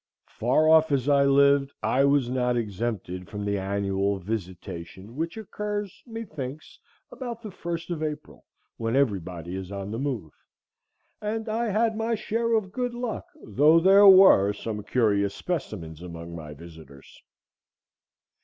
Far off as I lived, I was not exempted from the annual visitation which occurs, methinks, about the first of April, when every body is on the move; and I had my share of good luck, though there were some curious specimens among my visitors.